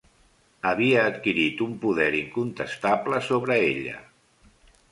Havia adquirit un poder incontestable sobre ella.